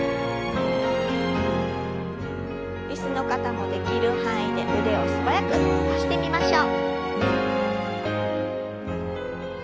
椅子の方もできる範囲で腕を素早く伸ばしてみましょう。